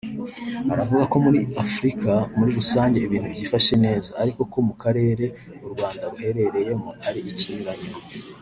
Aravuga ko muri Afurika muri rusange ibintu byifashe neza ariko ko mu karere u Rwanda ruherereyemo ari ikinyuranyo